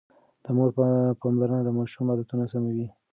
د مور پاملرنه د ماشوم عادتونه سموي.